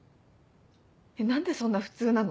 えっ何でそんな普通なの？